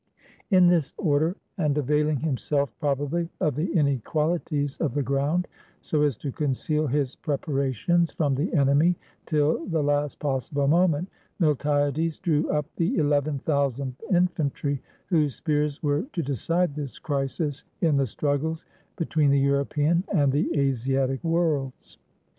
In this order, and availing himself probably of the inequalities of the ground, so as to conceal his prepara tions from the enemy till the last possible moment, Miltiades drew up the eleven thousand infantry whose spears were to decide this crisis in the struggles between the European and the Asiatic worlds.